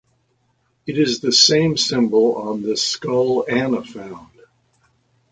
It is the same symbol on the skull Ana found.